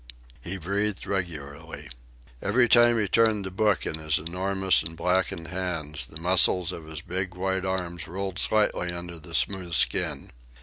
He breathed regularly. Every time he turned the book in his enormous and blackened hands the muscles of his big white arms rolled slightly under the smooth skin.